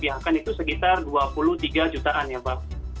dan kalau dikursi serupiakan itu sekitar rp dua puluh tiga jutaan ya pak